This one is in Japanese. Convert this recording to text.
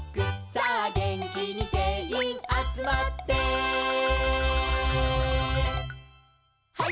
「さあげんきにぜんいんあつまって」「ハイ！